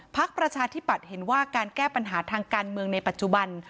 ประชาธิปัตย์เห็นว่าการแก้ปัญหาทางการเมืองในปัจจุบัน